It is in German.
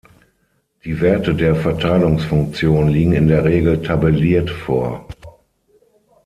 Die Werte der Verteilungsfunktion liegen in der Regel tabelliert vor.